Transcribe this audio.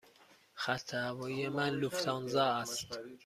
خط هوایی من لوفتانزا است.